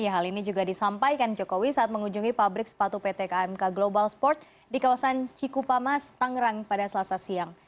hal ini juga disampaikan jokowi saat mengunjungi pabrik sepatu pt kmk global sport di kawasan cikupamas tangerang pada selasa siang